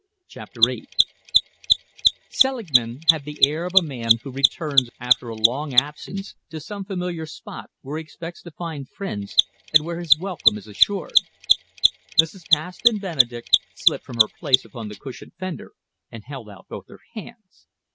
CHAPTER VIII Selingman had the air of a man who returns after a long absence to some familiar spot where he expects to find friends and where his welcome is assured. Mrs. Paston Benedek slipped from her place upon the cushioned fender and held out both her hands.